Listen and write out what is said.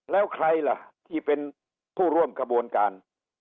แล้วใครล่ะที่เป็นผู้ร่วมขบวนการ